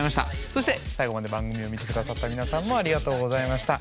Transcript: そして最後まで番組を見て下さった皆さんもありがとうございました。